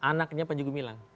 anaknya panjegu milang